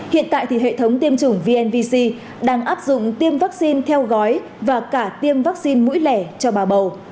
hiện tại thì hệ thống tiêm chủng vnvc đang áp dụng tiêm vắc xin theo gói và cả tiêm vắc xin mũi lẻ cho bà bầu